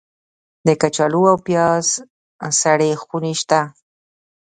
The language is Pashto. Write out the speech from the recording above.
د کچالو او پیاز سړې خونې شته؟